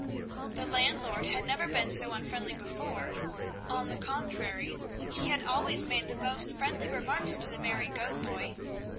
The landlord had never been so unfriendly before. On the contrary he had always made the most friendly remarks to the merry goat boy.